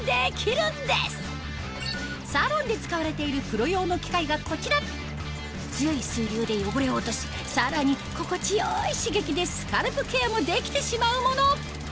サロンで使われているプロ用の機械がこちら強い水流で汚れを落としさらに心地よい刺激でスカルプケアもできてしまうもの